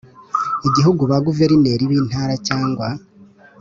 Igihugu ba Guverineri b Intara cyangwa